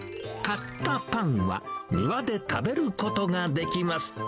買ったパンは、庭で食べることができます。